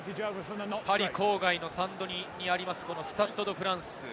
パリ郊外のサンドニにあります、スタッド・ド・フランス。